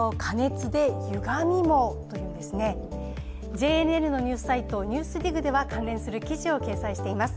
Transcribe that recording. ＪＮＮのニュースサイト「ＮＥＷＳＤＩＧ」では関連する記事を掲載しています。